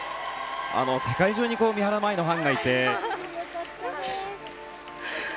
世界中に三原舞依のファンがいて。